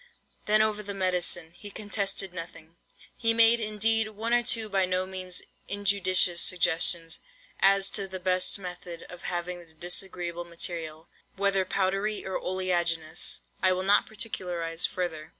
Then over the medicine, he contested nothing. He made, indeed, one or two by no means injudicious suggestions, as to the best method of having the disagreeable material, whether powdery or oleaginous, (I will not particularize further!)